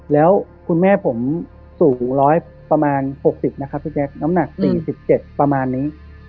แล้วคุณแม่ผมสูงร้อยประมาณหกสิบนะครับพี่แจ๊กน้ำหนักสี่สิบเจ็ดประมาณนี้